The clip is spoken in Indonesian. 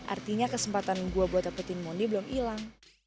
artinya kesempatan gue buat dapetin mondi belum hilang